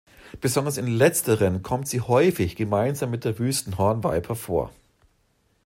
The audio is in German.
Besonders in letzteren kommt sie häufig gemeinsam mit der Wüsten-Hornviper vor.